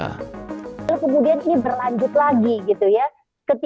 kepada tingkat provinsi dan kabupaten kota